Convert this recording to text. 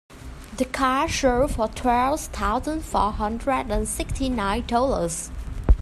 The car sold for twelve thousand four hundred and sixty nine dollars.